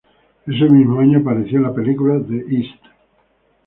Ese mismo año apareció en la película "The East".